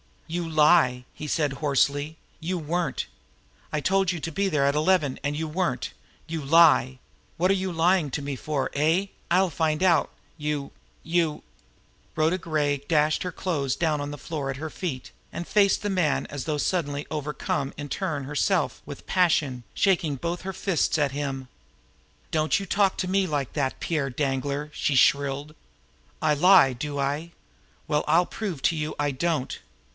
"You lie!" he said hoarsely. "You weren't! I told you to be there at eleven, and you weren't. You lie! What are you lying to me for eh? I'll find out, you you " Rhoda Gray dashed the clothes down on the floor at her feet, and faced the man as though suddenly overcome in turn herself with passion, shaking both closed fists at him. "Don't you talk to me like that, Pierre Danglar!" she shrilled. "I lie, do I? Well, I'll prove to you I don't!